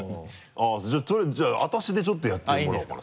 あぁとりあえずじゃあ私でちょっとやってもらおうかな。